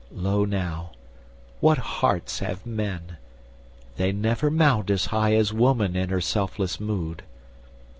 Lo now, what hearts have men! they never mount As high as woman in her selfless mood.